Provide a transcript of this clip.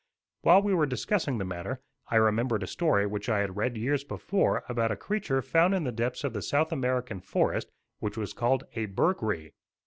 While we were discussing the matter, I remembered a story which I had read years before about a creature found in the depths of the South American forest, which was called a "Burghree."